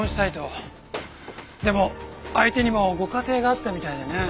でも相手にもご家庭があったみたいでね。